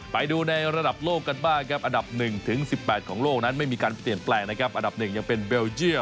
ไปดูในระดับโลกกันบ้างครับอันดับ๑ถึง๑๘ของโลกนั้นไม่มีการเปลี่ยนแปลงนะครับอันดับ๑ยังเป็นเบลเยี่ยม